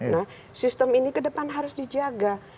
nah sistem ini ke depan harus dijaga